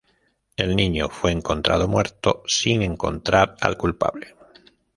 El niño fue encontrado muerto, sin encontrar al culpable.